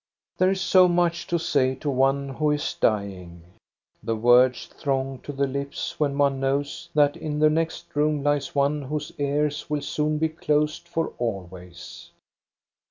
There is so much to say to one who is dying. The words throng to the lips when one knows that in the next room lies one whose ears will soon be closed for always.